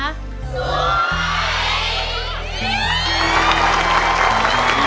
สวย